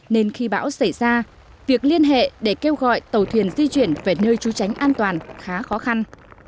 nên khi bão xảy ra việc liên hệ để kêu gọi tàu thuyền di chuyển về nơi trú tránh an toàn khá khó khăn